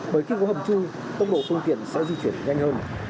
bởi khi có hầm chui tốc độ phương tiện sẽ di chuyển nhanh hơn